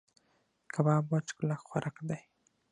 کباب وچ کلک خوراک دی.